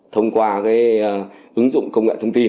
thông qua cái ứng dụng công nghệ thông tin